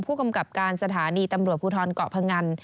ผู้กำกับการสถานีตำรวจภูทรเกาะพงัน